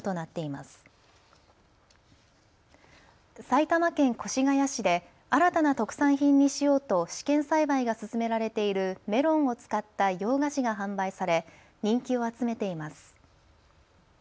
埼玉県越谷市で新たな特産品にしようと試験栽培が進められているメロンを使った洋菓子が販売され人気を集めています。